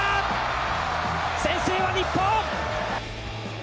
先制は日本！